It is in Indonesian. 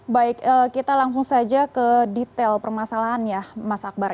baik kita langsung saja ke detail permasalahan ya mas akbar